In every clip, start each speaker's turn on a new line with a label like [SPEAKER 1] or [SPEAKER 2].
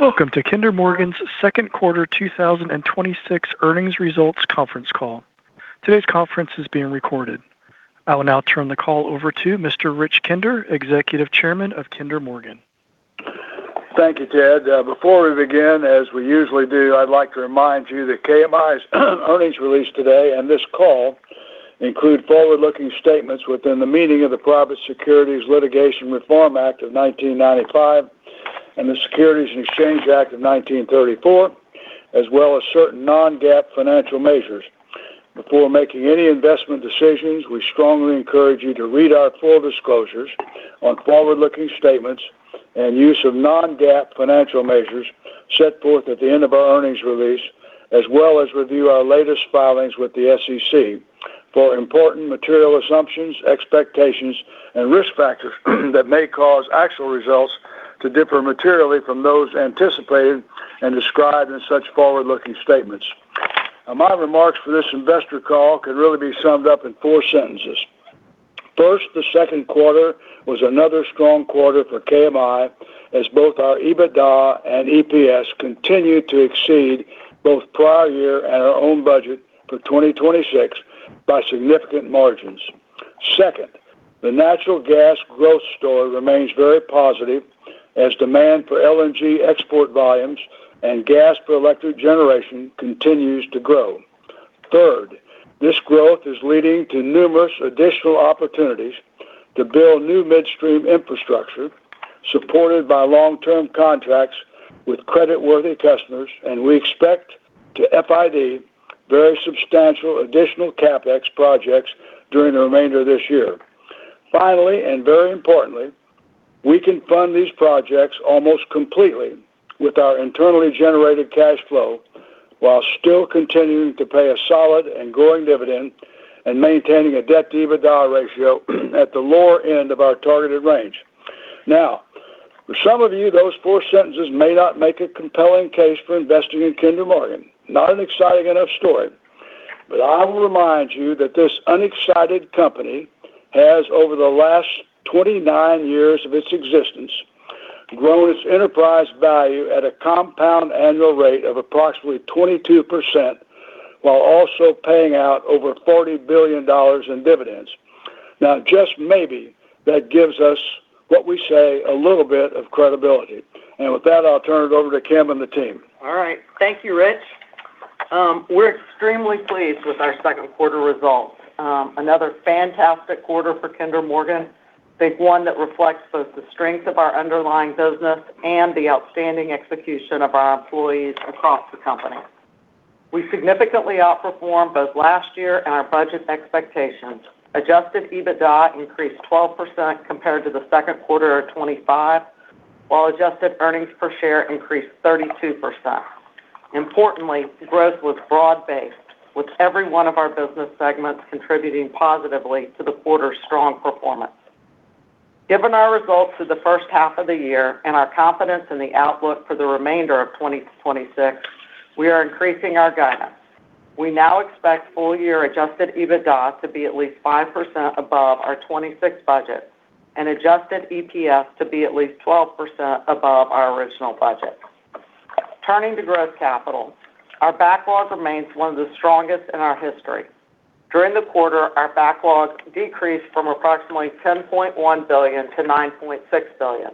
[SPEAKER 1] Welcome to Kinder Morgan's second quarter 2026 earnings results conference call. Today's conference is being recorded. I will now turn the call over to Mr. Rich Kinder, Executive Chairman of Kinder Morgan.
[SPEAKER 2] Thank you, Ted. Before we begin, as we usually do, I'd like to remind you that KMI's earnings release today and this call include forward-looking statements within the meaning of the Private Securities Litigation Reform Act of 1995 and the Securities and Exchange Act of 1934, as well as certain non-GAAP financial measures. Before making any investment decisions, we strongly encourage you to read our full disclosures on forward-looking statements and use of non-GAAP financial measures set forth at the end of our earnings release, as well as review our latest filings with the SEC for important material assumptions, expectations and risk factors that may cause actual results to differ materially from those anticipated and described in such forward-looking statements. My remarks for this investor call could really be summed up in four sentences. First, the second quarter was another strong quarter for KMI, as both our EBITDA and EPS continued to exceed both prior year and our own budget for 2026 by significant margins. Second, the natural gas growth story remains very positive as demand for LNG export volumes and gas per electric generation continues to grow. Third, this growth is leading to numerous additional opportunities to build new midstream infrastructure supported by long-term contracts with creditworthy customers, and we expect to FID very substantial additional CapEx projects during the remainder of this year. Finally, and very importantly, we can fund these projects almost completely with our internally generated cash flow while still continuing to pay a solid and growing dividend and maintaining a debt-to-EBITDA ratio at the lower end of our targeted range. For some of you, those four sentences may not make a compelling case for investing in Kinder Morgan. Not an exciting enough story, I will remind you that this unexcited company has, over the last 29 years of its existence, grown its enterprise value at a compound annual rate of approximately 22%, while also paying out over $40 billion in dividends. Just maybe that gives us what we say, a little bit of credibility. With that, I'll turn it over to Kim and the team.
[SPEAKER 3] All right. Thank you, Rich. We're extremely pleased with our second quarter results. Another fantastic quarter for Kinder Morgan. I think one that reflects both the strength of our underlying business and the outstanding execution of our employees across the company. We significantly outperformed both last year and our budget expectations. Adjusted EBITDA increased 12% compared to the second quarter of 2025, while adjusted earnings per share increased 32%. Importantly, growth was broad-based, with every one of our business segments contributing positively to the quarter's strong performance. Given our results for the first half of the year and our confidence in the outlook for the remainder of 2026, we are increasing our guidance. We now expect full-year adjusted EBITDA to be at least 5% above our 2026 budget and adjusted EPS to be at least 11% above our original budget. Turning to growth capital, our backlog remains one of the strongest in our history. During the quarter, our backlog decreased from approximately $10.1 billion-$9.6 billion.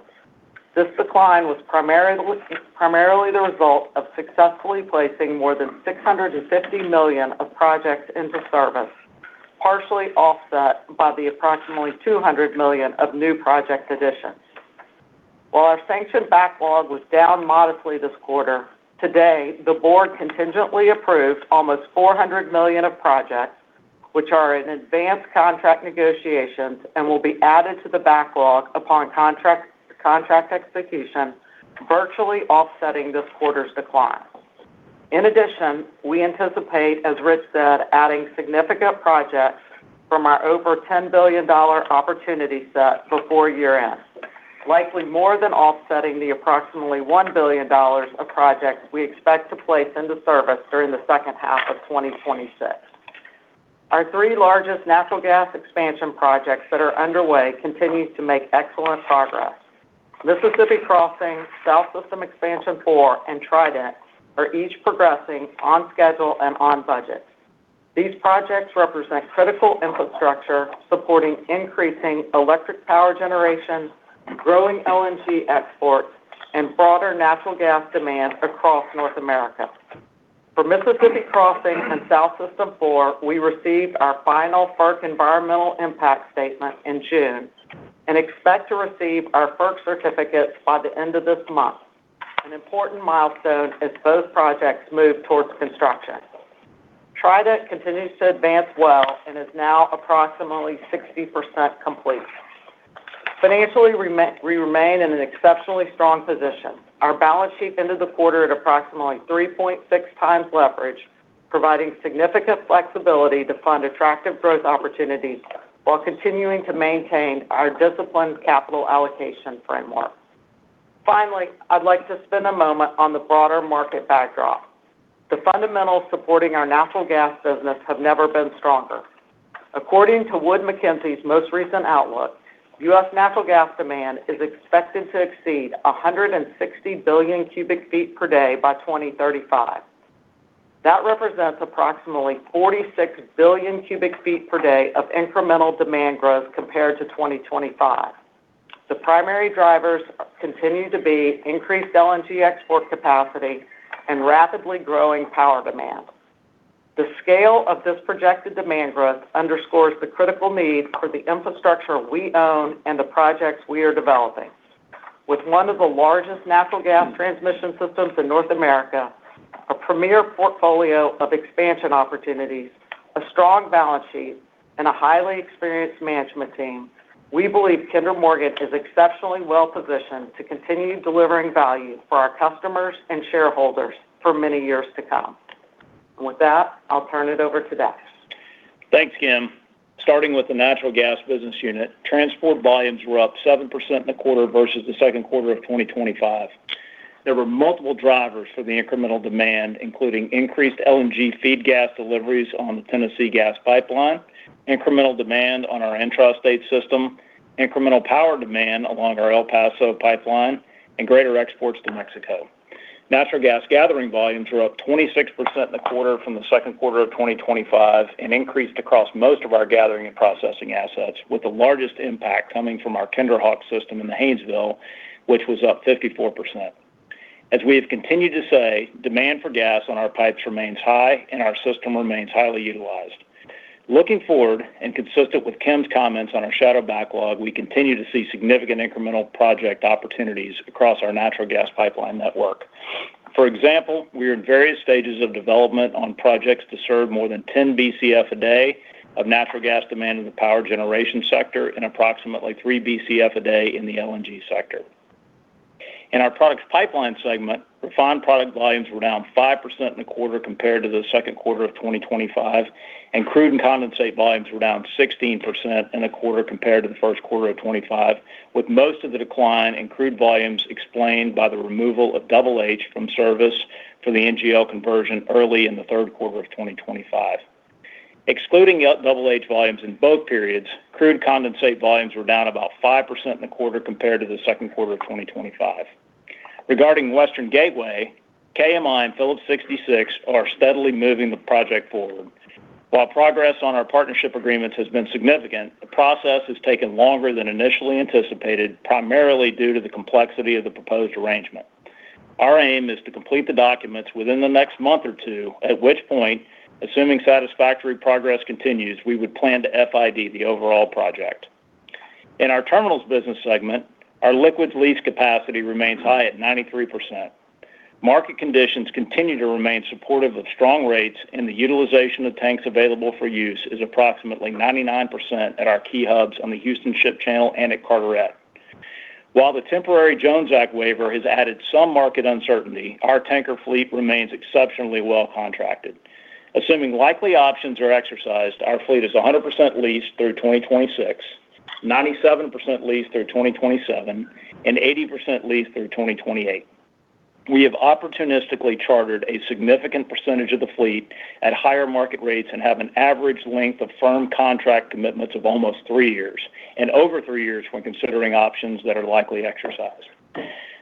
[SPEAKER 3] This decline was primarily the result of successfully placing more than $650 million of projects into service, partially offset by the approximately $200 million of new project additions. While our sanctioned backlog was down modestly this quarter, today, the board contingently approved almost $400 million of projects, which are in advanced contract negotiations and will be added to the backlog upon contract execution, virtually offsetting this quarter's decline. In addition, we anticipate, as Rich said, adding significant projects from our over $10 billion opportunity set before year-end, likely more than offsetting the approximately $1 billion of projects we expect to place into service during the second half of 2026. Our three largest natural gas expansion projects that are underway continue to make excellent progress. Mississippi Crossing, South System Expansion Four, and Trident are each progressing on schedule and on budget. These projects represent critical infrastructure supporting increasing electric power generation, growing LNG exports, and broader natural gas demand across North America. For Mississippi Crossing and South System Four, we received our final FERC Environmental Impact Statement in June and expect to receive our FERC certificates by the end of this month, an important milestone as both projects move towards construction. Trident continues to advance well and is now approximately 60% complete. Financially, we remain in an exceptionally strong position. Our balance sheet ended the quarter at approximately 3.6 times leverage, providing significant flexibility to fund attractive growth opportunities while continuing to maintain our disciplined capital allocation framework. Finally, I'd like to spend a moment on the broader market backdrop. The fundamentals supporting our natural gas business have never been stronger. According to Wood Mackenzie's most recent outlook, U.S. natural gas demand is expected to exceed 160 billion cubic feet per day by 2035. That represents approximately 46 billion cubic feet per day of incremental demand growth compared to 2025. The primary drivers continue to be increased LNG export capacity and rapidly growing power demand. The scale of this projected demand growth underscores the critical need for the infrastructure we own and the projects we are developing. With one of the largest natural gas transmission systems in North America, a premier portfolio of expansion opportunities, a strong balance sheet, and a highly experienced management team, we believe Kinder Morgan is exceptionally well-positioned to continue delivering value for our customers and shareholders for many years to come. With that, I'll turn it over to Dax.
[SPEAKER 4] Thanks, Kim. Starting with the natural gas business unit, transport volumes were up 7% in the quarter versus the second quarter of 2025. There were multiple drivers for the incremental demand, including increased LNG feed gas deliveries on the Tennessee Gas Pipeline, incremental demand on our intrastate system, incremental power demand along our El Paso pipeline, and greater exports to Mexico. Natural gas gathering volumes were up 26% in the quarter from the second quarter of 2025 and increased across most of our gathering and processing assets, with the largest impact coming from our KinderHawk system in the Haynesville, which was up 54%. As we have continued to say, demand for gas on our pipes remains high and our system remains highly utilized. Looking forward, consistent with Kim's comments on our shadow backlog, we continue to see significant incremental project opportunities across our natural gas pipeline network. For example, we are in various stages of development on projects to serve more than 10 Bcf a day of natural gas demand in the power generation sector and approximately three Bcf a day in the LNG sector. In our products pipeline segment, refined product volumes were down 5% in the quarter compared to the second quarter of 2025, and crude and condensate volumes were down 16% in the quarter compared to the first quarter of 2025, with most of the decline in crude volumes explained by the removal of Double H from service for the NGL conversion early in the third quarter of 2025. Excluding Double H volumes in both periods, crude condensate volumes were down about 5% in the quarter compared to the second quarter of 2025. Regarding Western Gateway, KMI and Phillips 66 are steadily moving the project forward. While progress on our partnership agreements has been significant, the process has taken longer than initially anticipated, primarily due to the complexity of the proposed arrangement. Our aim is to complete the documents within the next month or two, at which point, assuming satisfactory progress continues, we would plan to FID the overall project. In our terminals business segment, our liquids lease capacity remains high at 93%. Market conditions continue to remain supportive of strong rates, and the utilization of tanks available for use is approximately 99% at our key hubs on the Houston Ship Channel and at Carteret. While the temporary Jones Act waiver has added some market uncertainty, our tanker fleet remains exceptionally well-contracted. Assuming likely options are exercised, our fleet is 100% leased through 2026, 97% leased through 2027, and 80% leased through 2028. We have opportunistically chartered a significant percentage of the fleet at higher market rates and have an average length of firm contract commitments of almost three years and over three years when considering options that are likely exercised.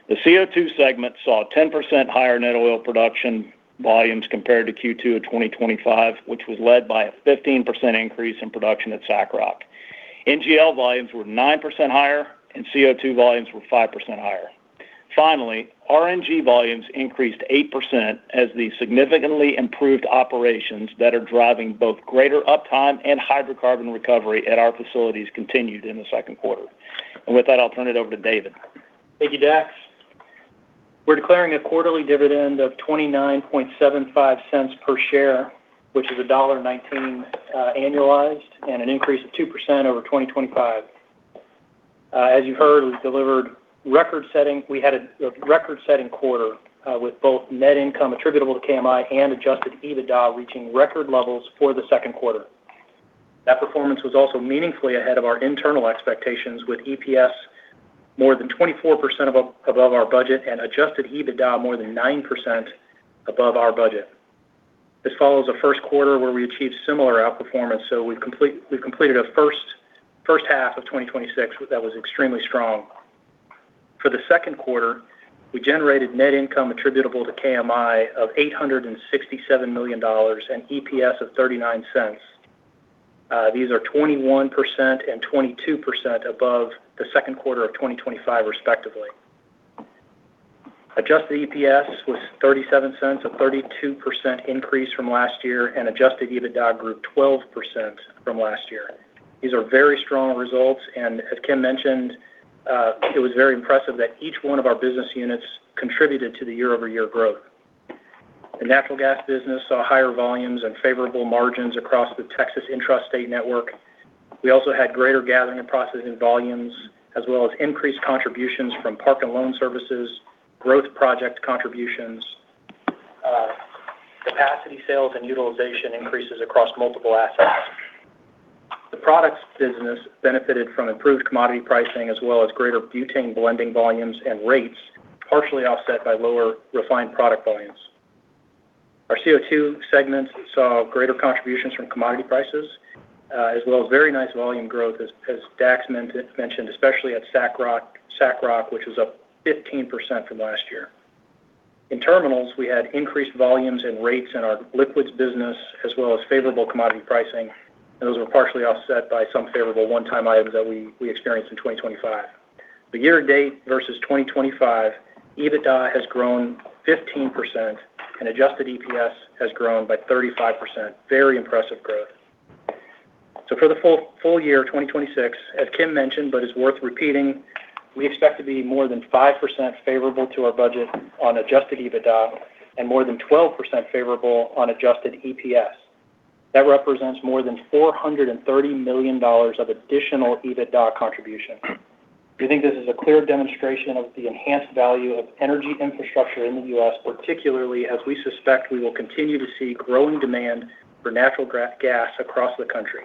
[SPEAKER 4] The CO₂ segment saw 10% higher net oil production volumes compared to Q2 of 2025, which was led by a 15% increase in production at SACROC. NGL volumes were 9% higher, and CO₂ volumes were 5% higher. Finally, RNG volumes increased 8% as the significantly improved operations that are driving both greater uptime and hydrocarbon recovery at our facilities continued in the second quarter. With that, I'll turn it over to David.
[SPEAKER 5] Thank you, Dax. We're declaring a quarterly dividend of $0.2975 per share, which is $1.19 annualized and an increase of 2% over 2025. As you heard, we had a record-setting quarter with both net income attributable to KMI and adjusted EBITDA reaching record levels for the second quarter. That performance was also meaningfully ahead of our internal expectations, with EPS more than 24% above our budget and adjusted EBITDA more than 9% above our budget. This follows a first quarter where we achieved similar outperformance, we've completed our first half of 2026. That was extremely strong. For the second quarter, we generated net income attributable to KMI of $867 million and EPS of $0.39. These are 21% and 22% above the second quarter of 2025, respectively. Adjusted EPS was $0.37, a 32% increase from last year, and adjusted EBITDA grew 12% from last year. These are very strong results, as Kim mentioned, it was very impressive that each one of our business units contributed to the year-over-year growth. The natural gas business saw higher volumes and favorable margins across the Texas intrastate network. We also had greater gathering and processing volumes, as well as increased contributions from park and loan services, growth project contributions, capacity sales, and utilization increases across multiple assets. The products business benefited from improved commodity pricing as well as greater butane blending volumes and rates, partially offset by lower refined product volumes. Our CO₂ segments saw greater contributions from commodity prices as well as very nice volume growth, as Dax mentioned, especially at SACROC, which was up 15% from last year. In terminals, we had increased volumes and rates in our liquids business, as well as favorable commodity pricing, those were partially offset by some favorable one-time items that we experienced in 2025. The year-to-date versus 2025, EBITDA has grown 15% and adjusted EPS has grown by 35%. Very impressive growth. For the full year 2026, as Kim mentioned but is worth repeating, we expect to be more than 5% favorable to our budget on adjusted EBITDA and more than 12% favorable on adjusted EPS. That represents more than $430 million of additional EBITDA contribution. We think this is a clear demonstration of the enhanced value of energy infrastructure in the U.S., particularly as we suspect we will continue to see growing demand for natural gas across the country.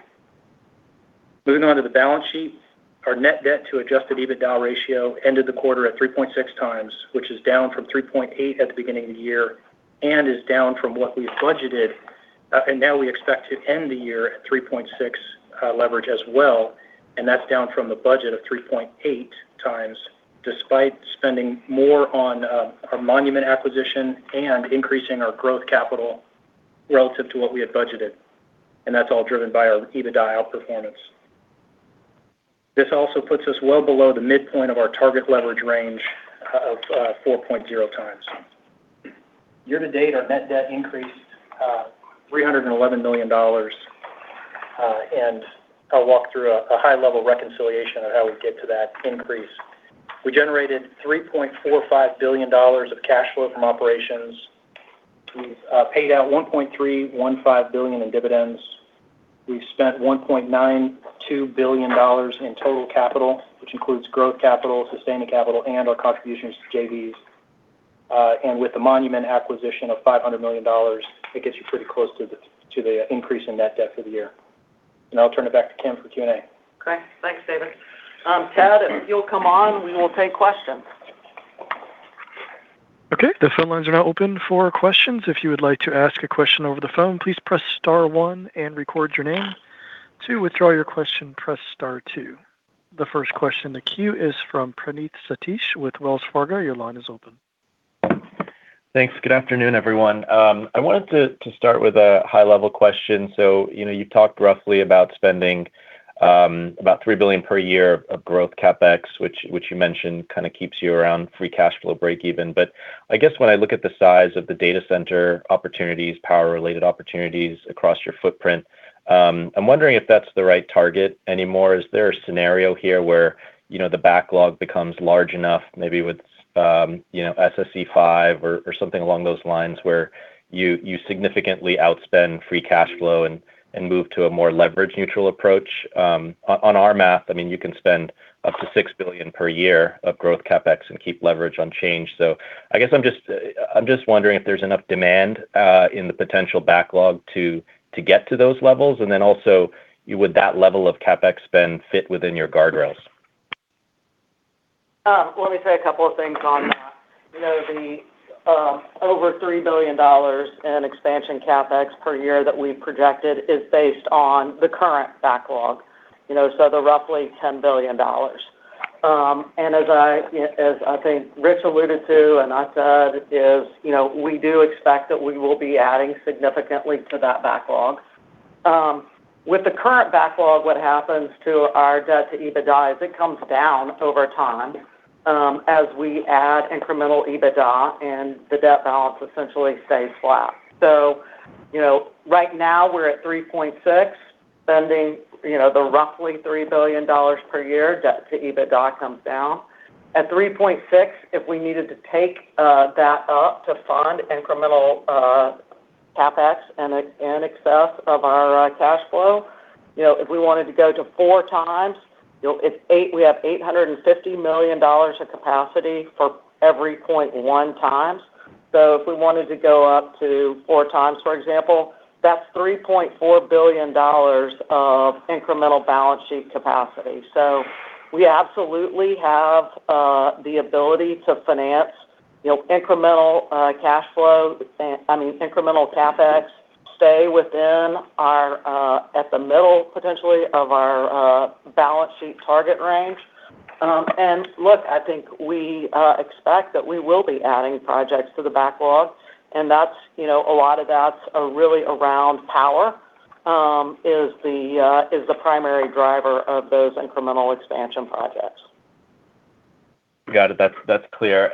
[SPEAKER 5] Moving on to the balance sheet. Our net debt to adjusted EBITDA ratio ended the quarter at 3.6 times, which is down from 3.8 at the beginning of the year and is down from what we have budgeted. Now we expect to end the year at 3.6 leverage as well, and that's down from the budget of 3.8 times, despite spending more on our Monument acquisition and increasing our growth capital relative to what we had budgeted. That's all driven by our EBITDA outperformance. This also puts us well below the midpoint of our target leverage range of 4.0 times. Year-to-date, our net debt increased $311 million. I'll walk through a high-level reconciliation of how we get to that increase. We generated $3.45 billion of cash flow from operations. We've paid out $1.315 billion in dividends. We've spent $1.92 billion in total capital, which includes growth capital, sustaining capital, and our contributions to JVs. With the Monument acquisition of $500 million, it gets you pretty close to the increase in net debt for the year. I'll turn it back to Kim for Q&A.
[SPEAKER 3] Okay. Thanks, David. Ted, if you'll come on, we will take questions.
[SPEAKER 1] Okay. The phone lines are now open for questions. If you would like to ask a question over the phone, please press star one and record your name. To withdraw your question, press star two. The first question in the queue is from Praneeth Satish with Wells Fargo. Your line is open.
[SPEAKER 6] Thanks. Good afternoon, everyone. I wanted to start with a high-level question. You talked roughly about spending about $3 billion per year of growth CapEx, which you mentioned kind of keeps you around free cash flow breakeven. I guess when I look at the size of the data center opportunities, power-related opportunities across your footprint, I'm wondering if that's the right target anymore. Is there a scenario here where the backlog becomes large enough, maybe with SSC5 or something along those lines, where you significantly outspend free cash flow and move to a more leverage-neutral approach? On our math, you can spend up to $6 billion per year of growth CapEx and keep leverage unchanged. I guess I'm just wondering if there's enough demand in the potential backlog to get to those levels. Would that level of CapEx spend fit within your guardrails?
[SPEAKER 3] Let me say a couple of things on that. The over $3 billion in expansion CapEx per year that we've projected is based on the current backlog, so the roughly $10 billion. As I think Rich alluded to and I said is, we do expect that we will be adding significantly to that backlog. With the current backlog, what happens to our debt to EBITDA is it comes down over time as we add incremental EBITDA and the debt balance essentially stays flat. Right now, we're at 3.6, spending the roughly $3 billion per year. Debt to EBITDA comes down. At 3.6, if we needed to take that up to fund incremental CapEx in excess of our cash flow, if we wanted to go to four times, we have $850 million of capacity for every 0.1 times. If we wanted to go up to four times, for example, that's $3.4 billion of incremental balance sheet capacity. We absolutely have the ability to finance incremental CapEx, stay within at the middle, potentially, of our balance sheet target range. Look, I think we expect that we will be adding projects to the backlog, and a lot of that's really around power is the primary driver of those incremental expansion projects.
[SPEAKER 6] Got it. That's clear.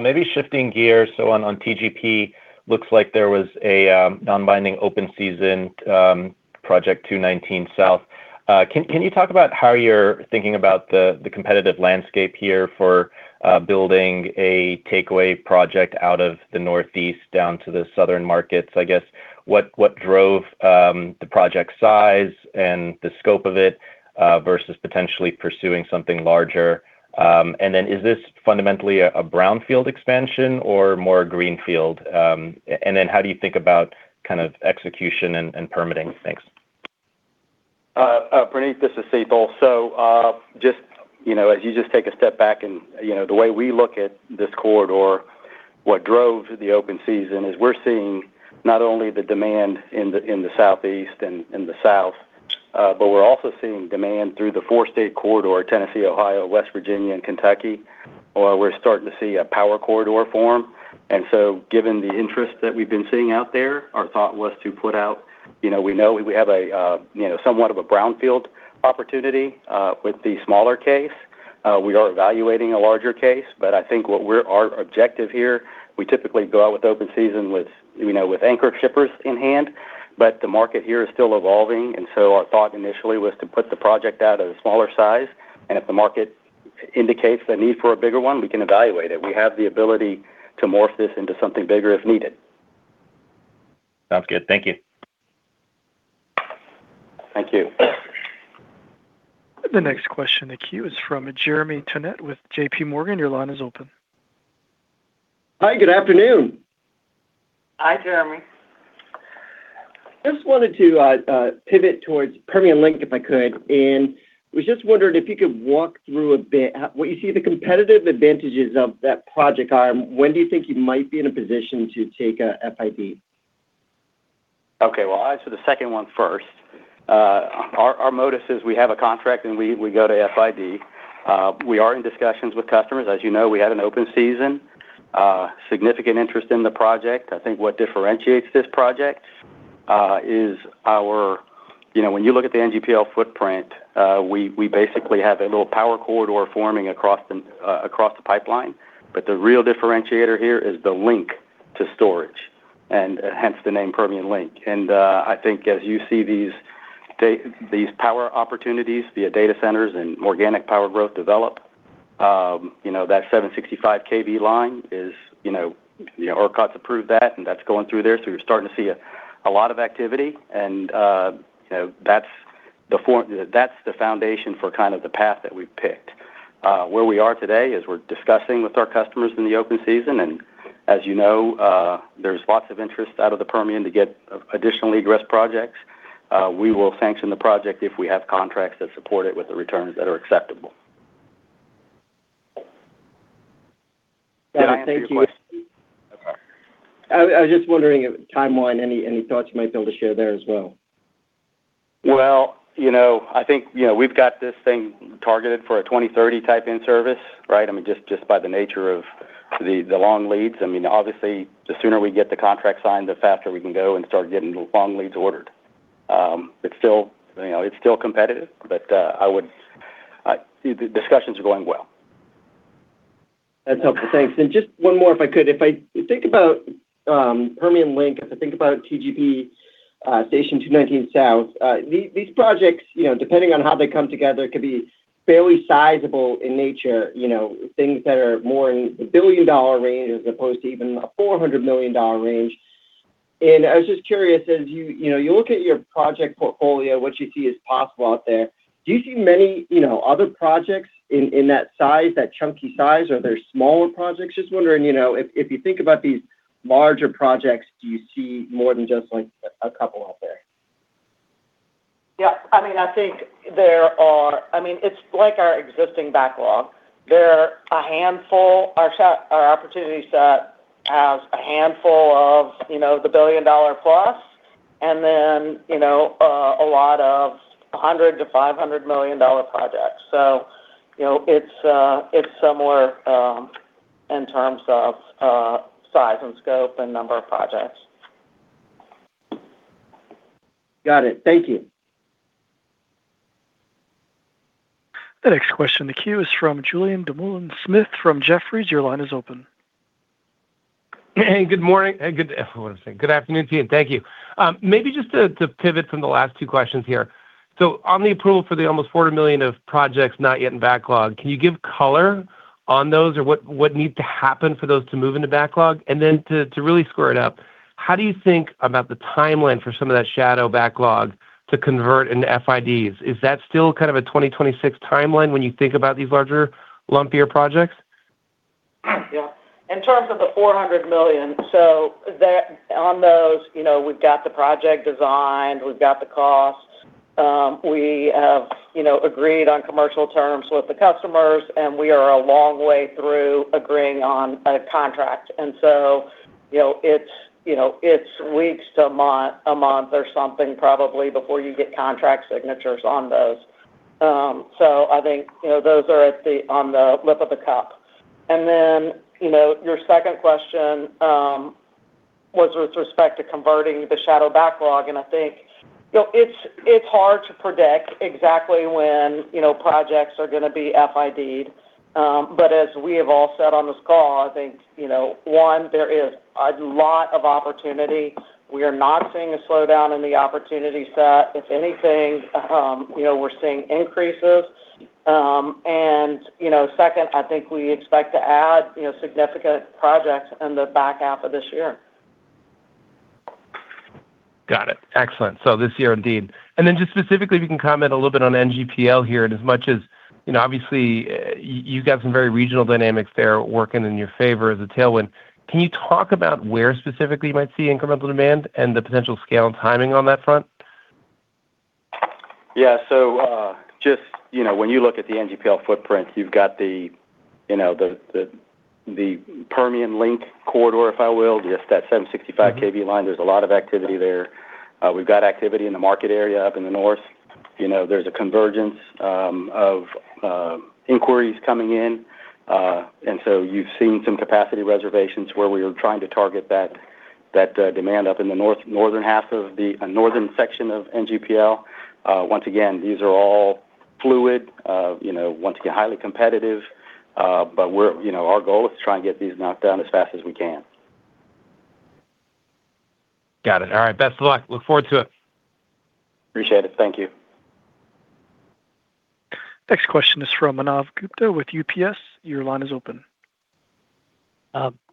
[SPEAKER 6] Maybe shifting gears. On TGP, looks like there was a non-binding open season, Project 219 South. Can you talk about how you're thinking about the competitive landscape here for building a takeaway project out of the Northeast down to the southern markets? I guess, what drove the project size and the scope of it versus potentially pursuing something larger? Is this fundamentally a brownfield expansion or more greenfield? How do you think about execution and permitting? Thanks.
[SPEAKER 7] Praneeth, this is Sital. As you just take a step back, the way we look at this corridor, what drove the open season is we're seeing not only the demand in the Southeast and in the South, but we're also seeing demand through the four-state corridor, Tennessee, Ohio, West Virginia, and Kentucky. We're starting to see a power corridor form. Given the interest that we've been seeing out there, our thought was to put out. We know we have somewhat of a brownfield opportunity with the smaller case. We are evaluating a larger case. I think our objective here, we typically go out with open season with anchor shippers in hand, but the market here is still evolving. Our thought initially was to put the project out at a smaller size. If the market indicates the need for a bigger one, we can evaluate it. We have the ability to morph this into something bigger if needed.
[SPEAKER 6] Sounds good. Thank you.
[SPEAKER 7] Thank you.
[SPEAKER 1] The next question in the queue is from Jeremy Tonet with JPMorgan. Your line is open.
[SPEAKER 8] Hi, good afternoon.
[SPEAKER 7] Hi, Jeremy.
[SPEAKER 8] Just wanted to pivot towards Permian Link, if I could. Was just wondering if you could walk through a bit what you see the competitive advantages of that project are, and when do you think you might be in a position to take a FID?
[SPEAKER 7] Okay. Well, I answer the second one first. Our modus is we have a contract and we go to FID. We are in discussions with customers. As you know, we had an open season, significant interest in the project. I think what differentiates this project is when you look at the NGPL footprint, we basically have a little power corridor forming across the pipeline. The real differentiator here is the link to storage, and hence the name Permian Link. I think as you see these power opportunities via data centers and organic power growth develop, that 765 kV line is, ERCOT's approved that, and that's going through there, so you're starting to see a lot of activity. That's the foundation for kind of the path that we've picked. Where we are today is we're discussing with our customers in the open season, as you know there's lots of interest out of the Permian to get additionally addressed projects. We will sanction the project if we have contracts that support it with the returns that are acceptable.
[SPEAKER 8] Yeah. Thank you.
[SPEAKER 7] Did I answer your question? Okay.
[SPEAKER 8] I was just wondering timeline, any thoughts you might be able to share there as well?
[SPEAKER 7] Well, I think we've got this thing targeted for a 2030 type in service, right? I mean, just by the nature of the long leads. I mean, obviously, the sooner we get the contract signed, the faster we can go and start getting long leads ordered. It's still competitive, but the discussions are going well.
[SPEAKER 8] That's helpful. Thanks. Just one more, if I could. If I think about Permian Link, if I think about TGP Station 219 South, these projects, depending on how they come together, could be fairly sizable in nature. Things that are more in the billion-dollar range as opposed to even a $400 million range. I was just curious, as you look at your project portfolio, what you see is possible out there, do you see many other projects in that chunky size? Are there smaller projects? Just wondering, if you think about these larger projects, do you see more than just a couple out there?
[SPEAKER 7] Yeah. I think it's like our existing backlog. Our opportunity set has a handful of the billion-dollar plus and then a lot of $100 million-$500 million projects. It's similar in terms of size and scope and number of projects.
[SPEAKER 8] Got it. Thank you.
[SPEAKER 1] The next question in the queue is from Julien Dumoulin-Smith from Jefferies. Your line is open.
[SPEAKER 9] Hey, good morning. I want to say good afternoon to you, and thank you. Maybe just to pivot from the last two questions here. On the approval for the almost $400 million of projects not yet in backlog, can you give color on those? Or what needs to happen for those to move into backlog? To really square it up, how do you think about the timeline for some of that shadow backlog to convert into FIDs? Is that still kind of a 2026 timeline when you think about these larger, lumpier projects?
[SPEAKER 7] Yeah. In terms of the $400 million, on those, we've got the project designed, we've got the costs. We have agreed on commercial terms with the customers, and we are a long way through agreeing on a contract. It's weeks to a month or something probably before you get contract signatures on those. I think those are on the lip of the cup. Your second question was with respect to converting the shadow backlog, and I think it's hard to predict exactly when projects are going to be FIDed. As we have all said on this call, I think, one, there is a lot of opportunity. We are not seeing a slowdown in the opportunity set. If anything, we're seeing increases. Second, I think we expect to add significant projects in the back half of this year.
[SPEAKER 9] Got it. Excellent. This year, indeed. Just specifically, if you can comment a little bit on NGPL here, as much as Obviously, you've got some very regional dynamics there working in your favor as a tailwind. Can you talk about where specifically you might see incremental demand and the potential scale and timing on that front?
[SPEAKER 7] Yeah. When you look at the NGPL footprint, you've got the Permian Link corridor, if I will. Yes, that 765 kV line. There's a lot of activity there. We've got activity in the market area up in the north. There's a convergence of inquiries coming in. You've seen some capacity reservations where we are trying to target that demand up in the northern section of NGPL. Once again, these are all fluid, want to get highly competitive. Our goal is to try and get these knocked down as fast as we can.
[SPEAKER 9] Got it. All right. Best of luck. Look forward to it.
[SPEAKER 7] Appreciate it. Thank you.
[SPEAKER 1] Next question is from Manav Gupta with UBS. Your line is open.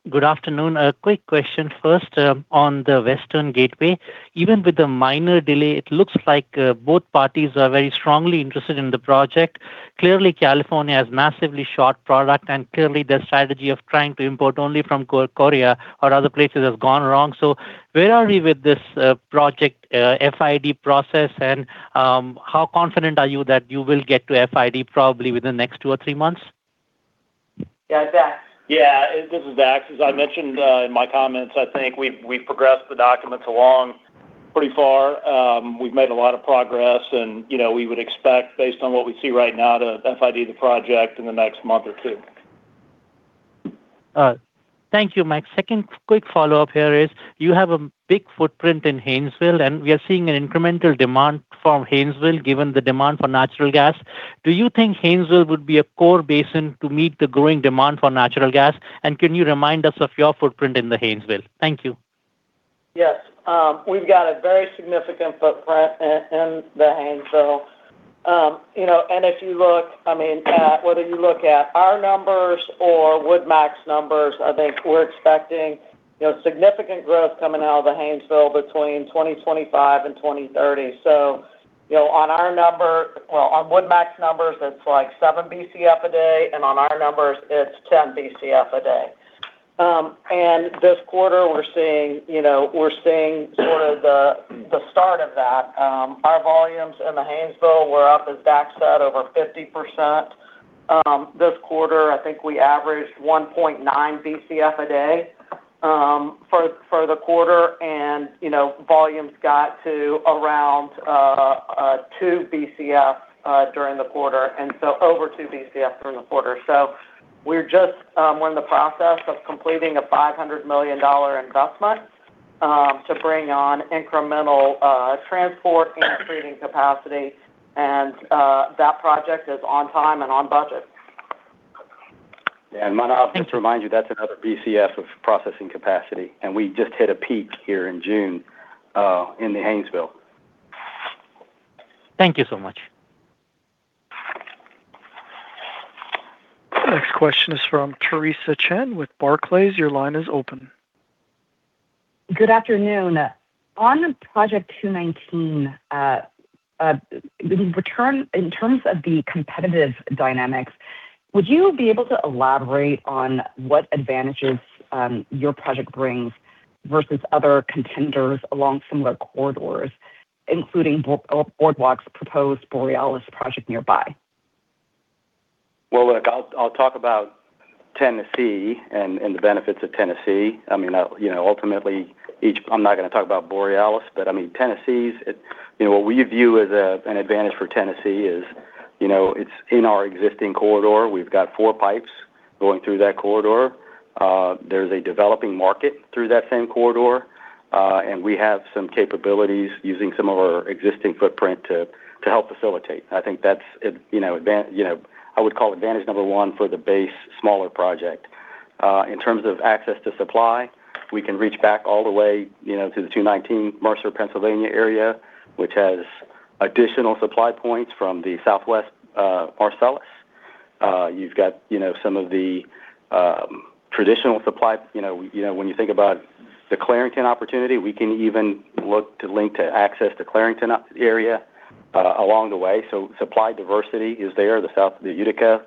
[SPEAKER 10] Good afternoon. A quick question first on the Western Gateway. Even with the minor delay, it looks like both parties are very strongly interested in the project. Clearly, California has massively short product, and clearly their strategy of trying to import only from Korea or other places has gone wrong. Where are we with this project FID process, and how confident are you that you will get to FID probably within the next two or three months?
[SPEAKER 3] Yeah, Dax.
[SPEAKER 4] Yeah. This is Dax. As I mentioned in my comments, I think we've progressed the documents along pretty far. We've made a lot of progress and we would expect, based on what we see right now, to FID the project in the next month or two.
[SPEAKER 10] Thank you, Dax. Second quick follow-up here is you have a big footprint in Haynesville. We are seeing an incremental demand from Haynesville given the demand for natural gas. Do you think Haynesville would be a core basin to meet the growing demand for natural gas? Can you remind us of your footprint in the Haynesville? Thank you.
[SPEAKER 3] Yes. We've got a very significant footprint in the Haynesville. If you look at our numbers or WoodMac's numbers, I think we're expecting significant growth coming out of the Haynesville between 2025 and 2030. On WoodMac's numbers, it's seven Bcf a day, and on our numbers, it's 10 Bcf a day. This quarter, we're seeing sort of the start of that. Our volumes in the Haynesville were up, as Dax said, over 50% this quarter. I think we averaged 1.9 Bcf a day for the quarter, and volumes got to around two Bcf during the quarter, and so over two Bcf during the quarter. We're in the process of completing a $500 million investment to bring on incremental transport and treating capacity. That project is on time and on budget.
[SPEAKER 7] Manav, just to remind you, that's another Bcf of processing capacity. We just hit a peak here in June in the Haynesville.
[SPEAKER 10] Thank you so much.
[SPEAKER 1] Next question is from Theresa Chen with Barclays. Your line is open.
[SPEAKER 11] Good afternoon. On the Project 219, in terms of the competitive dynamics, would you be able to elaborate on what advantages your project brings versus other contenders along similar corridors, including Boardwalk's proposed Borealis Project nearby?
[SPEAKER 7] Well, look, I'll talk about Tennessee and the benefits of Tennessee. Ultimately, I'm not going to talk about Borealis Project, but what we view as an advantage for Tennessee is it's in our existing corridor. We've got four pipes going through that corridor. There is a developing market through that same corridor. We have some capabilities using some of our existing footprint to help facilitate. I think that's, I would call advantage number one for the base smaller project. In terms of access to supply, we can reach back all the way to the 219 Mercer, Pennsylvania area, which has additional supply points from the Southwest Marcellus. You've got some of the traditional supply. When you think about the Clarington opportunity, we can even look to link to access to Clarington area along the way. Supply diversity is there, the south of the Utica.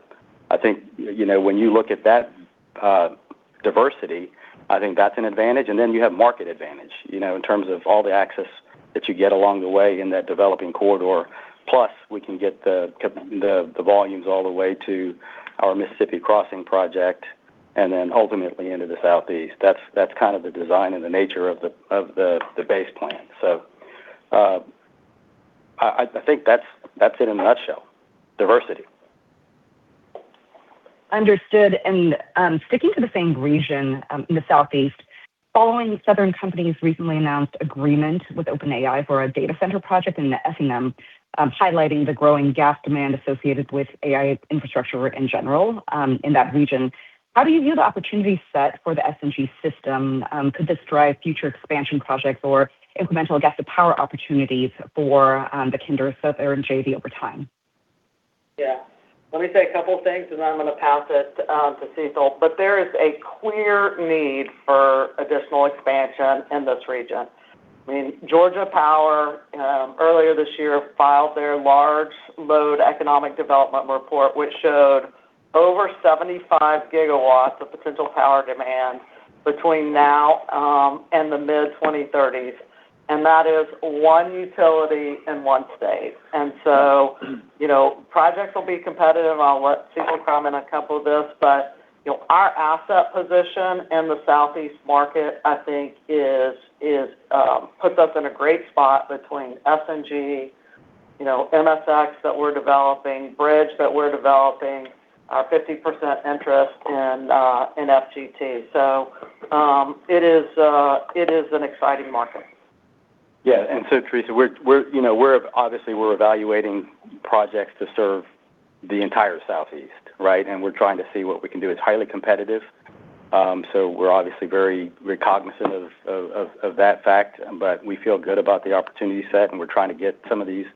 [SPEAKER 7] I think when you look at that diversity, I think that's an advantage, then you have market advantage, in terms of all the access that you get along the way in that developing corridor. Plus, we can get the volumes all the way to our Mississippi Crossing Project, then ultimately into the Southeast. That's kind of the design and the nature of the base plan. I think that's it in a nutshell. Diversity.
[SPEAKER 11] Understood. Sticking to the same region in the Southeast, following Southern Company's recently announced agreement with OpenAI for a data center project in the SNG, highlighting the growing gas demand associated with AI infrastructure in general in that region. How do you view the opportunity set for the SNG system? Could this drive future expansion projects or incremental gas-to-power opportunities for the Kinder North Erin JV over time?
[SPEAKER 3] Yeah. Let me say a couple of things, then I'm going to pass it to Sital. There is a clear need for additional expansion in this region. I mean, Georgia Power, earlier this year, filed their large load economic development report, which showed over 75 GW of potential power demand between now and the mid-2030s. That is one utility in one state. Projects will be competitive. I'll let Sital comment a couple this, but our asset position in the Southeast market, I think puts us in a great spot between SNG, MSX that we're developing, Bridge that we're developing, our 50% interest in FGT. It is an exciting market.
[SPEAKER 7] Yeah. Theresa, obviously, we're evaluating projects to serve the entire Southeast, right? We're trying to see what we can do. It's highly competitive. We're obviously very cognizant of that fact. We feel good about the opportunity set, and we're trying to get some of these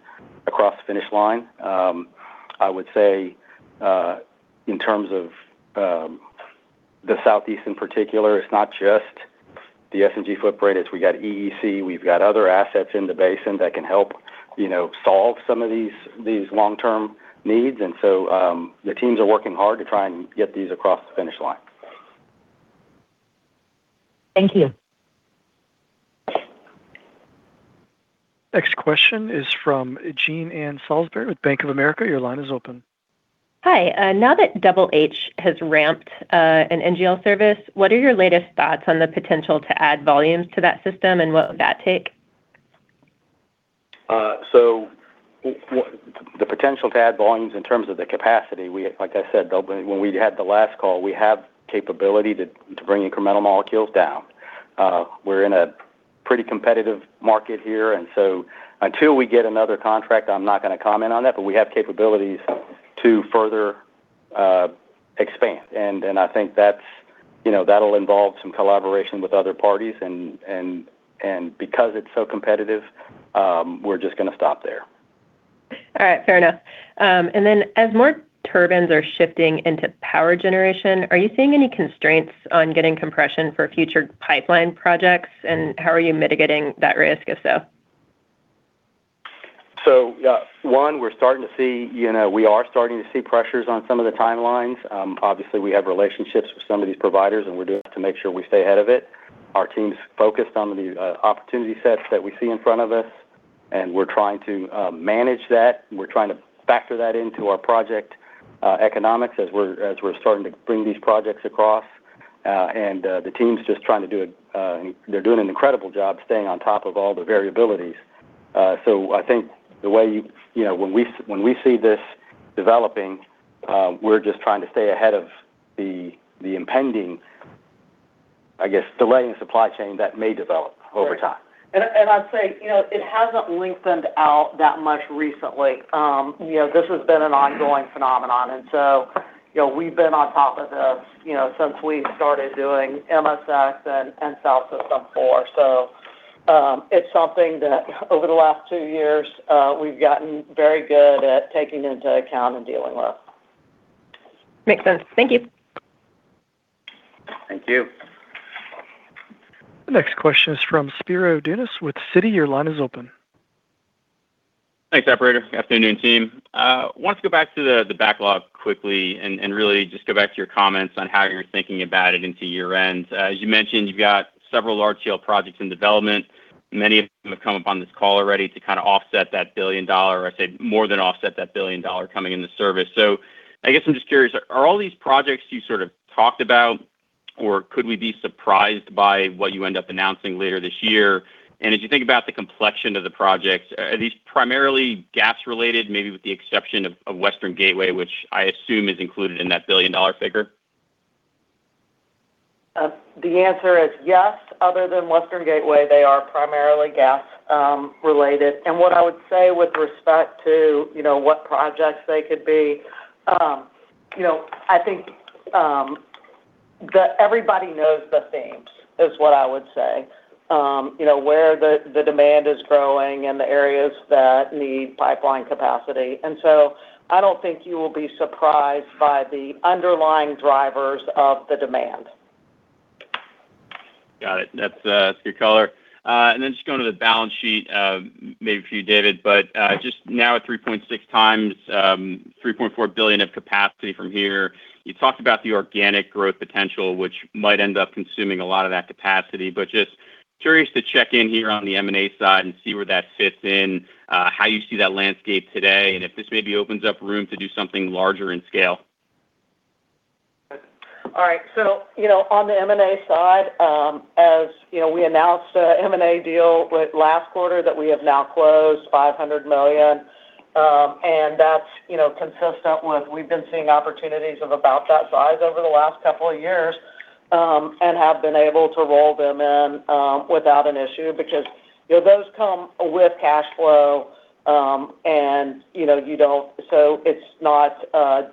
[SPEAKER 7] across the finish line. I would say, in terms of the Southeast in particular, it's not just the SNG footprint. We got EEC, we've got other assets in the basin that can help solve some of these long-term needs. The teams are working hard to try and get these across the finish line.
[SPEAKER 3] Thank you.
[SPEAKER 1] Next question is from Jean Ann Salisbury with Bank of America. Your line is open.
[SPEAKER 12] Hi. Now that Double H has ramped an NGL service, what are your latest thoughts on the potential to add volumes to that system, and what would that take?
[SPEAKER 7] The potential to add volumes in terms of the capacity, like I said, when we had the last call, we have capability to bring incremental molecules down. We're in a pretty competitive market here, and so until we get another contract, I'm not going to comment on that, but we have capabilities to further expand. I think that'll involve some collaboration with other parties, and because it's so competitive, we're just going to stop there.
[SPEAKER 12] All right. Fair enough. Then as more turbines are shifting into power generation, are you seeing any constraints on getting compression for future pipeline projects? How are you mitigating that risk if so?
[SPEAKER 7] Yeah. One, we are starting to see pressures on some of the timelines. Obviously, we have relationships with some of these providers, and we're doing to make sure we stay ahead of it. Our team's focused on the opportunity sets that we see in front of us, and we're trying to manage that. We're trying to factor that into our project economics as we're starting to bring these projects across. They're doing an incredible job staying on top of all the variabilities. I think when we see this developing, we're just trying to stay ahead of the impending, I guess, delay in supply chain that may develop over time.
[SPEAKER 3] I'd say, it hasn't lengthened out that much recently. This has been an ongoing phenomenon. We've been on top of this since we started doing MSX and South System 4. It's something that over the last two years, we've gotten very good at taking into account and dealing with.
[SPEAKER 12] Makes sense. Thank you.
[SPEAKER 7] Thank you.
[SPEAKER 1] The next question is from Spiro Dounis with Citi. Your line is open.
[SPEAKER 13] I want to go back to the backlog quickly and really just go back to your comments on how you're thinking about it into year-end. As you mentioned, you've got several large-scale projects in development. Many of them have come up on this call already to kind of offset that $1 billion, or I say more than offset that $1 billion coming into service. I guess I'm just curious, are all these projects you sort of talked about, or could we be surprised by what you end up announcing later this year? As you think about the complexion of the projects, are these primarily gas-related, maybe with the exception of Western Gateway, which I assume is included in that $1 billion-dollar figure?
[SPEAKER 3] The answer is yes. Other than Western Gateway, they are primarily gas-related. What I would say with respect to what projects they could be. I think that everybody knows the themes, is what I would say. Where the demand is growing and the areas that need pipeline capacity. I don't think you will be surprised by the underlying drivers of the demand.
[SPEAKER 13] Got it. That's good color. Just going to the balance sheet, maybe for you, David, but just now at 3.6x, $3.4 billion of capacity from here. You talked about the organic growth potential, which might end up consuming a lot of that capacity. Just curious to check in here on the M&A side and see where that fits in, how you see that landscape today, and if this maybe opens up room to do something larger in scale.
[SPEAKER 3] All right. On the M&A side, as we announced an M&A deal with last quarter that we have now closed $500 million. That's consistent with, we've been seeing opportunities of about that size over the last couple of years. Have been able to roll them in without an issue because those come with cash flow, so it's not as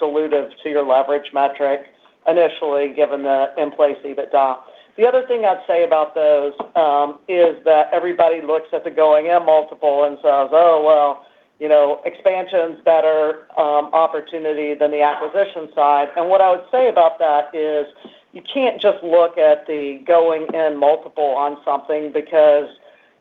[SPEAKER 3] dilutive to your leverage metric initially given the in-place EBITDA. The other thing I'd say about those, is that everybody looks at the going-in multiple and says, "Oh, well, expansion's a better opportunity than the acquisition side. What I would say about that is you can't just look at the going-in multiple on something,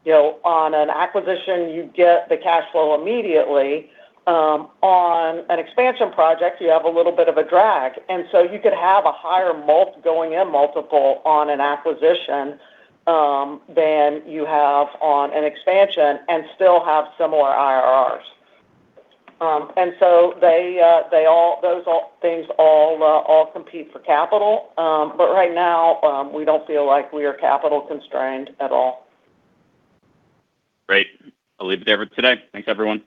[SPEAKER 3] because on an acquisition, you get the cash flow immediately. On an expansion project, you have a little bit of a drag. You could have a higher going-in multiple on an acquisition than you have on an expansion and still have similar IRRs. Those all things all compete for capital. Right now, we don't feel like we are capital constrained at all.
[SPEAKER 13] Great. I'll leave it there for today. Thanks, everyone.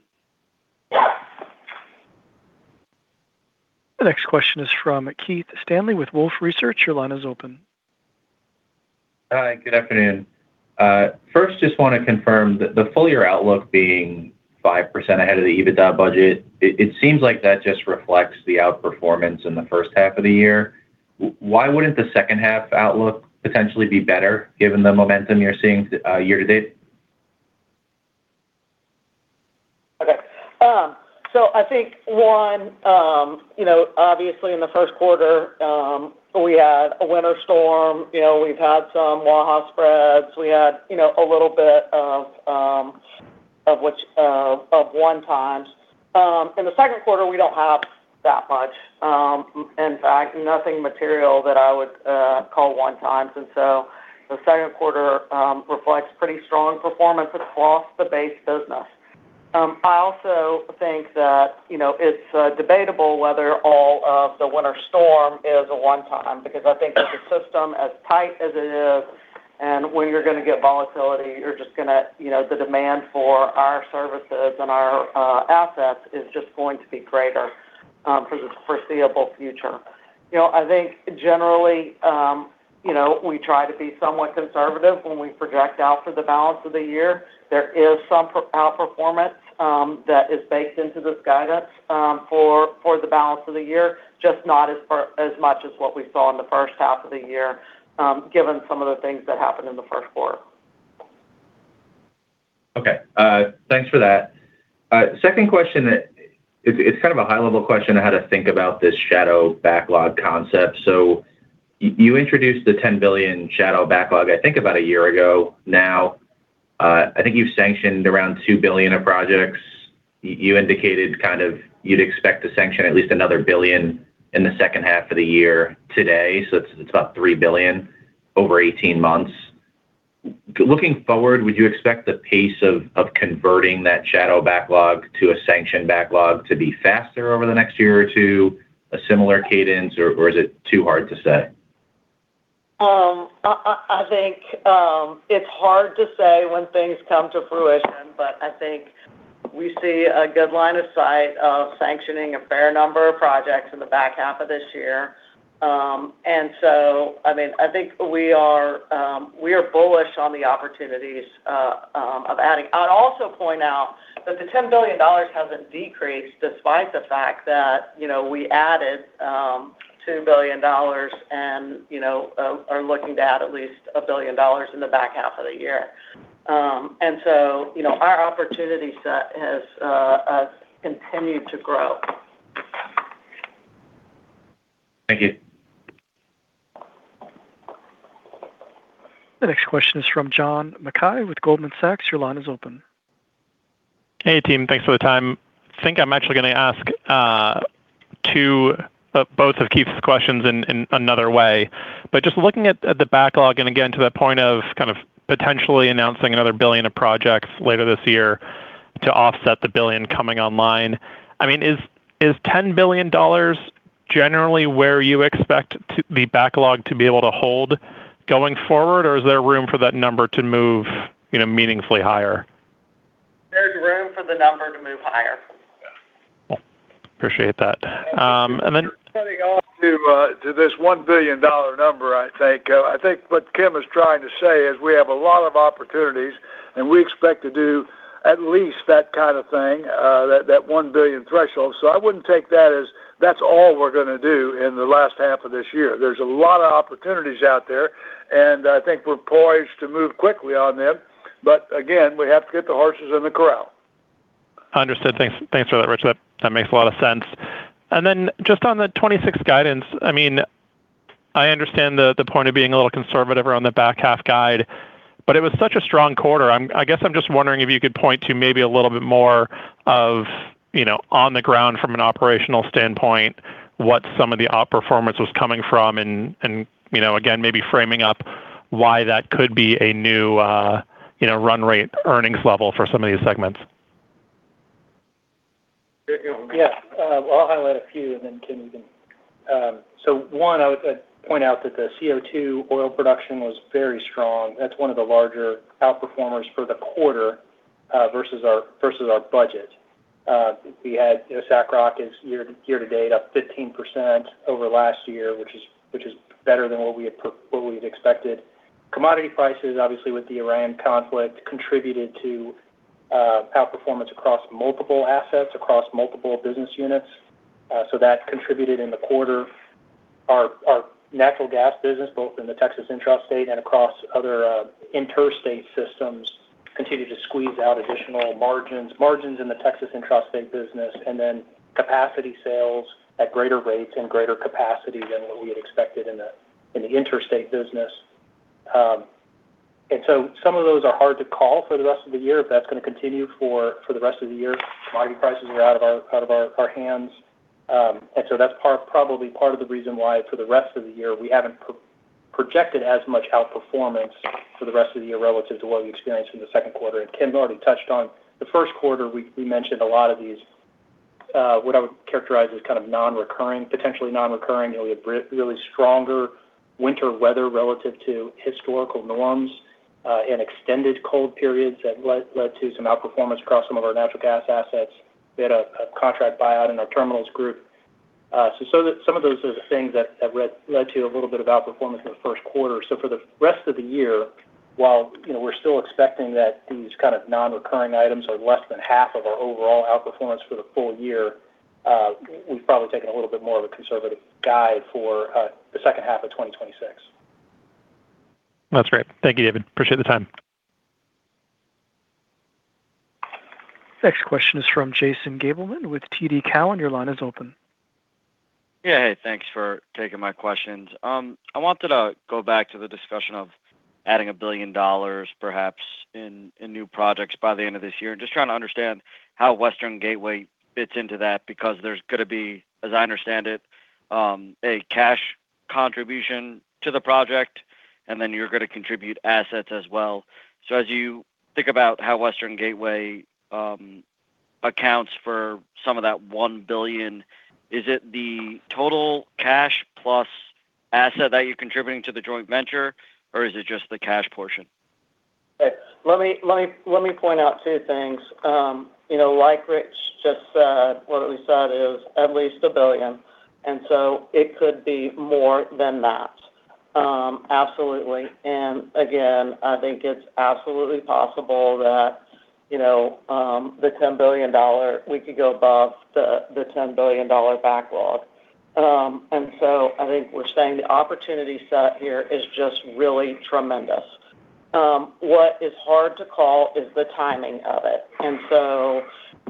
[SPEAKER 1] The next question is from Keith Stanley with Wolfe Research. Your line is open.
[SPEAKER 14] Hi, good afternoon. First, just want to confirm the full-year outlook being 5% ahead of the EBITDA budget. It seems like that just reflects the outperformance in the first half of the year. Why wouldn't the second half outlook potentially be better given the momentum you're seeing year to date?
[SPEAKER 3] Okay. I think one, obviously in the first quarter, we had a winter storm, we've had some Waha spreads. We had a little bit of one times. In the second quarter, we don't have that much. In fact, nothing material that I would call one times. The second quarter reflects pretty strong performance across the base business. I also think that it's debatable whether all of the winter storm is a one time, because I think with the system as tight as it is, when you're going to get volatility, the demand for our services and our assets is just going to be greater for the foreseeable future. I think generally, we try to be somewhat conservative when we project out for the balance of the year. There is some outperformance that is baked into this guidance for the balance of the year, just not as much as what we saw in the first half of the year, given some of the things that happened in the first quarter.
[SPEAKER 14] Okay. Thanks for that. Second question is, it's kind of a high-level question on how to think about this shadow backlog concept. You introduced the $10 billion shadow backlog, I think about a year ago now. I think you've sanctioned around $2 billion of projects. You indicated kind of you'd expect to sanction at least another $1 billion in the second half of the year to date. It's about $3 billion over 18 months. Looking forward, would you expect the pace of converting that shadow backlog to a sanction backlog to be faster over the next year or two, a similar cadence, or is it too hard to say?
[SPEAKER 3] I think it's hard to say when things come to fruition, but I think we see a good line of sight of sanctioning a fair number of projects in the back half of this year. I think we are bullish on the opportunities of adding. I'd also point out that the $10 billion hasn't decreased despite the fact that we added $2 billion and are looking to add at least $1 billion in the back half of the year. Our opportunity set has continued to grow.
[SPEAKER 14] Thank you.
[SPEAKER 1] The next question is from John Mackay with Goldman Sachs. Your line is open.
[SPEAKER 15] Hey, team. Thanks for the time. I think I'm actually going to ask two of both of Keith's questions in another way. Just looking at the backlog, again, to that point of kind of potentially announcing another $1 billion of projects later this year to offset the $1 billion coming online. Is $10 billion generally where you expect the backlog to be able to hold going forward? Or is there room for that number to move meaningfully higher?
[SPEAKER 3] There's room for the number to move higher.
[SPEAKER 15] Appreciate that.
[SPEAKER 2] Just cutting off to this $1 billion number, I think what Kim is trying to say is we have a lot of opportunities, and we expect to do at least that kind of thing, that $1 billion threshold. I wouldn't take that as that's all we're going to do in the last half of this year. There's a lot of opportunities out there, and I think we're poised to move quickly on them. Again, we have to get the horses in the corral.
[SPEAKER 15] Understood. Thanks for that, Rich. That makes a lot of sense. Then just on the 2026 guidance. I understand the point of being a little conservative around the back half guide, it was such a strong quarter. I guess I'm just wondering if you could point to maybe a little bit more of on the ground from an operational standpoint, what some of the outperformance was coming from and, again, maybe framing up why that could be a new run rate earnings level for some of these segments.
[SPEAKER 3] Rich, you want to take that?
[SPEAKER 5] Yeah. I'll highlight a few and then Kim, you can. One, I would point out that the CO2 oil production was very strong. That's one of the larger outperformers for the quarter, versus our budget. We had SACROC is year to date up 15% over last year, which is better than what we had expected. Commodity prices, obviously with the Iran conflict, contributed to outperformance across multiple assets, across multiple business units. That contributed in the quarter. Our natural gas business, both in the Texas intrastate and across other interstate systems, continue to squeeze out additional margins. Margins in the Texas intrastate business, and then capacity sales at greater rates and greater capacity than what we had expected in the interstate business. Some of those are hard to call for the rest of the year. If that's going to continue for the rest of the year, commodity prices are out of our hands. That's probably part of the reason why for the rest of the year, we haven't projected as much outperformance for the rest of the year relative to what we experienced in the second quarter. Kim has already touched on the first quarter. We mentioned a lot of these, what I would characterize as kind of potentially non-recurring. We had really stronger winter weather relative to historical norms and extended cold periods that led to some outperformance across some of our natural gas assets. We had a contract buyout in our terminals group. Some of those are the things that led to a little bit of outperformance in the first quarter. For the rest of the year, while we're still expecting that these kind of non-recurring items are less than half of our overall outperformance for the full year, we've probably taken a little bit more of a conservative guide for the second half of 2026.
[SPEAKER 15] That's great. Thank you, David. Appreciate the time.
[SPEAKER 1] Next question is from Jason Gabelman with TD Cowen. Your line is open.
[SPEAKER 16] Yeah. Hey, thanks for taking my questions. I wanted to go back to the discussion of adding $1 billion perhaps in new projects by the end of this year, just trying to understand how Western Gateway fits into that, because there's going to be, as I understand it, a cash contribution to the project, then you're going to contribute assets as well. As you think about how Western Gateway accounts for some of that $1 billion, is it the total cash plus asset that you're contributing to the joint venture, or is it just the cash portion?
[SPEAKER 3] Let me point out two things. Like Rich just said, what we said is at least $1 billion, it could be more than that. Absolutely, again, I think it's absolutely possible that we could go above the $10 billion backlog. I think we're saying the opportunity set here is just really tremendous. What is hard to call is the timing of it.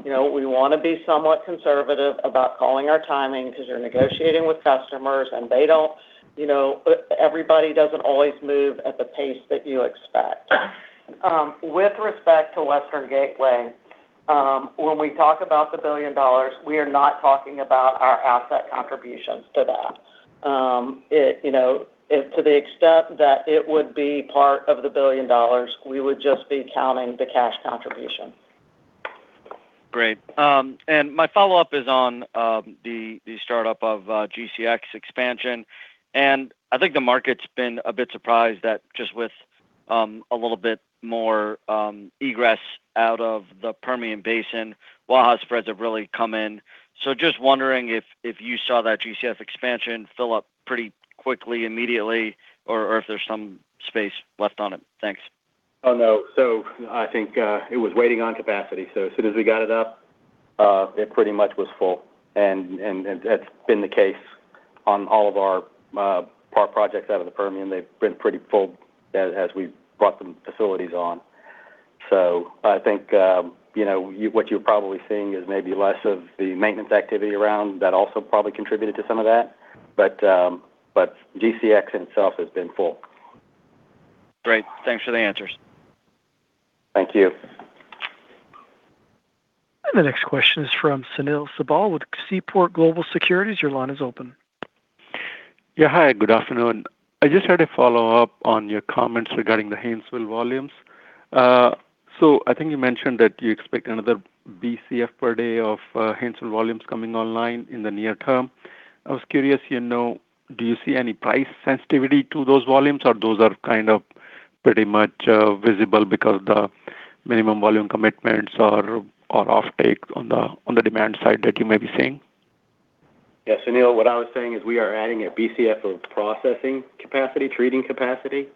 [SPEAKER 3] We want to be somewhat conservative about calling our timing because you're negotiating with customers and everybody doesn't always move at the pace that you expect. With respect to Western Gateway, when we talk about the $1 billion, we are not talking about our asset contributions to that. To the extent that it would be part of the $1 billion, we would just be counting the cash contribution.
[SPEAKER 16] Great. My follow-up is on the startup of GCX expansion. I think the market's been a bit surprised that just with a little bit more egress out of the Permian Basin, Waha spreads have really come in. Just wondering if you saw that GCX expansion fill up pretty quickly, immediately, or if there's some space left on it. Thanks.
[SPEAKER 7] Oh, no. I think it was waiting on capacity. As soon as we got it up, it pretty much was full. That's been the case on all of our projects out of the Permian. They've been pretty full as we've brought the facilities on. I think what you're probably seeing is maybe less of the maintenance activity around. That also probably contributed to some of that. GCX in itself has been full.
[SPEAKER 16] Great. Thanks for the answers.
[SPEAKER 7] Thank you.
[SPEAKER 1] The next question is from Sunil Sibal with Seaport Global Securities. Your line is open.
[SPEAKER 17] Yeah. Hi, good afternoon. I just had a follow-up on your comments regarding the Haynesville volumes. I think you mentioned that you expect another BCF per day of Haynesville volumes coming online in the near term. I was curious, do you see any price sensitivity to those volumes, or those are kind of pretty much visible because the minimum volume commitments are offtake on the demand side that you may be seeing?
[SPEAKER 7] Yeah, Sunil, what I was saying is we are adding a BCF of processing capacity, treating capacity.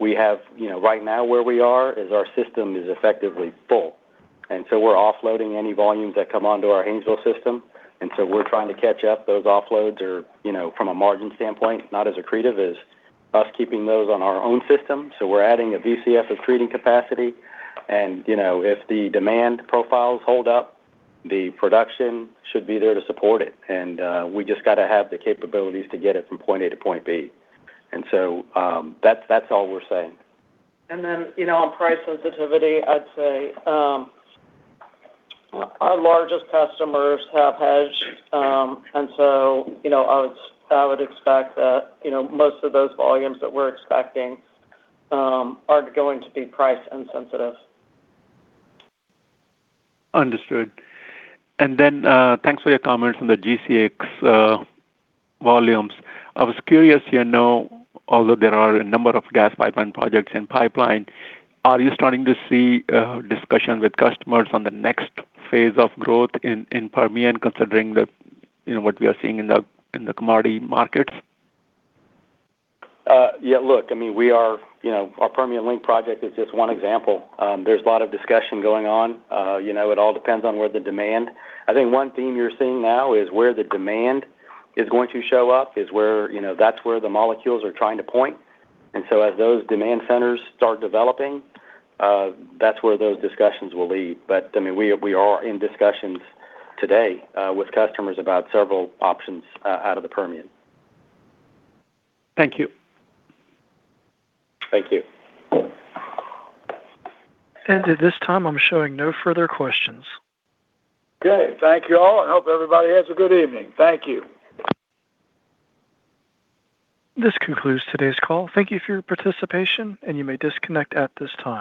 [SPEAKER 7] We have right now where we are is our system is effectively full. We're offloading any volumes that come onto our Haynesville system, and so we're trying to catch up. Those offloads are, from a margin standpoint, not as accretive as us keeping those on our own system. We're adding a BCF of treating capacity. If the demand profiles hold up, the production should be there to support it. We just got to have the capabilities to get it from point A to point B. That's all we're saying.
[SPEAKER 3] On price sensitivity, I'd say our largest customers have hedged. I would expect that most of those volumes that we're expecting are going to be price insensitive.
[SPEAKER 17] Understood. Thanks for your comments on the GCX volumes. I was curious, although there are a number of gas pipeline projects in pipeline, are you starting to see discussion with customers on the next phase of growth in Permian, considering what we are seeing in the commodity markets?
[SPEAKER 7] Yeah, look, our Permian Link Project is just one example. There's a lot of discussion going on. It all depends on where the demand. I think one theme you're seeing now is where the demand is going to show up, that's where the molecules are trying to point. As those demand centers start developing, that's where those discussions will lead. We are in discussions today with customers about several options out of the Permian.
[SPEAKER 17] Thank you.
[SPEAKER 7] Thank you.
[SPEAKER 1] At this time, I'm showing no further questions.
[SPEAKER 3] Good. Thank you all, and hope everybody has a good evening. Thank you.
[SPEAKER 1] This concludes today's call. Thank you for your participation, and you may disconnect at this time.